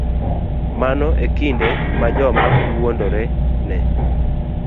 Mano e kinde ma joma wuondore ne